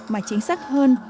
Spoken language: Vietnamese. mà chính xác hơn